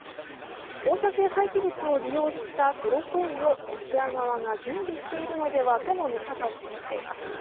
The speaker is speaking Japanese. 放射性廃棄物を利用したテロ行為をロシア側が準備しているのはとの見方を示しています。